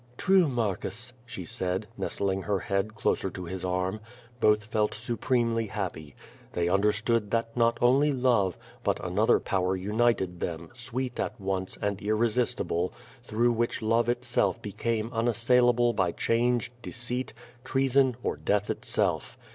"True, Marcus," she said, nestling her head closer to his arm. Both felt supremely happy. They understood that hot only love, but another power united them, sweet at once, and irresistible, through which love itself became unassail able by change, deceit, treason, or death itself.